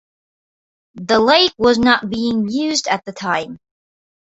The lake was not being used at the time.